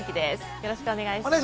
よろしくお願いします。